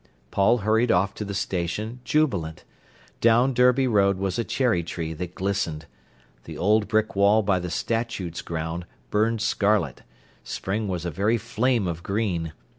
Paul hurried off to the station jubilant. Down Derby Road was a cherry tree that glistened. The old brick wall by the Statutes ground burned scarlet, spring was a very flame of green.